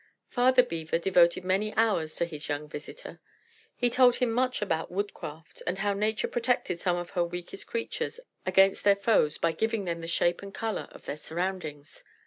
Father Beaver devoted many hours to his young visitor. He told him much about woodcraft, and how Nature protected some of her weakest creatures against their foes by giving them the shape and colour of their surroundings.